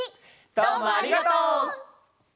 どうもありがとう！